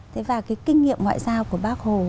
thế và cái kinh nghiệm ngoại giao của bác hồ